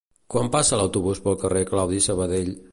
Quan passa l'autobús pel carrer Claudi Sabadell?